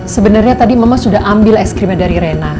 sebenarnya tadi mama sudah ambil es krimnya dari rena